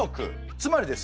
つまりですよ